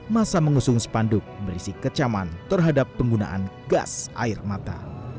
masa mengusung spanduk berisi kecaman terhadap penggunaan gas air mata